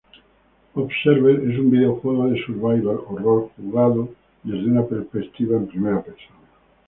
Observer es un videojuego de survival horror jugado desde una perspectiva en primera persona.